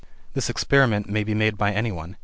(This experiment may be made by any one.